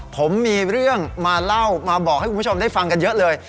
ผมมีเรื่องมาเล่ามาบอกให้คุณผู้ชมได้ฟังกันเยอะเลย